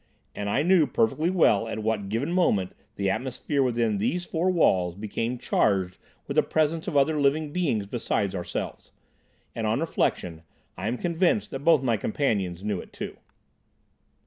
And I knew perfectly well at what given moment the atmosphere within these four walls became charged with the presence of other living beings besides ourselves. And, on reflection, I am convinced that both my companions knew it too.